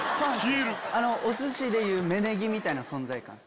おすしでいう芽ネギみたいな存在感。